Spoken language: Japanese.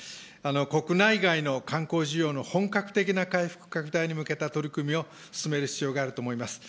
国内外の観光需要の本格的な回復拡大に向けた取り組みを進める必要があると思います。